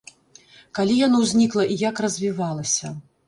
Калі яно ўзнікла і як развівалася?